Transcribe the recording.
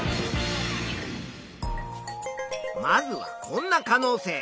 まずはこんな可能性。